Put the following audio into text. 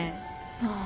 ああ